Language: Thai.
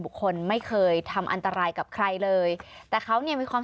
ไม่เคยทำอันตรายกับใครเลยแต่เขาเนี่ยมีความ